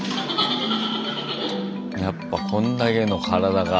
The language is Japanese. やっぱこんだけの体が。